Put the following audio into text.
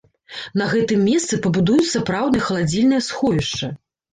На гэтым месцы пабудуюць сапраўднае халадзільнае сховішча.